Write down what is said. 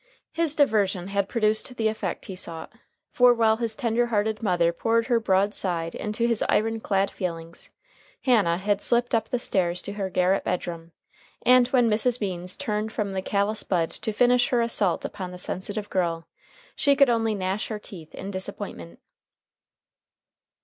His diversion had produced the effect he sought: for while his tender hearted mother poured her broadside into his iron clad feelings, Hannah had slipped up the stairs to her garret bedroom, and when Mrs. Means turned from the callous Bud to finish her assault upon the sensitive girl, she could only gnash her teeth in disappointment.